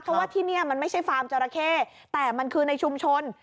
เพราะว่าที่นี่มันไม่ใช่ฟาร์มจราเข้แต่มันคือในชุมชน